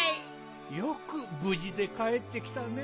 よくぶじでかえってきたね。